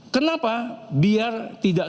kenapa biar tidak